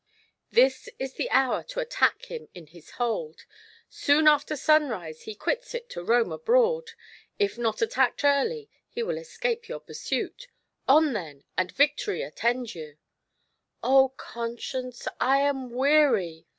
This is the hour to attack him in his hold ; soon after sunrise he quits it to roam abroad ; if not attacked early, he will escape your pursuit ;— on, then, and victory attend you 1 "Conscience, I am weary!"